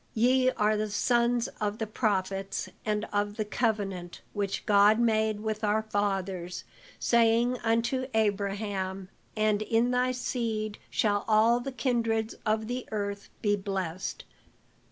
Ye are the sons of the prophets, and of the Covenant which God made with our fathers, saying unto Abraham, 'and in thy seed shall all the kindreds of the earth be blessed.